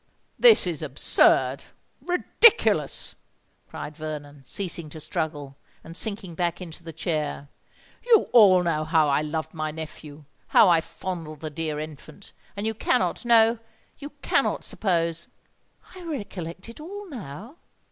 "This is absurd—ridiculous!" cried Vernon, ceasing to struggle, and sinking back into the chair. "You all know how I loved my nephew—how I fondled the dear infant; and you cannot—no—you cannot suppose——" "I recollect it all now!"